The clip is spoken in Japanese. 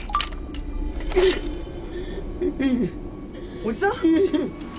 おじさん？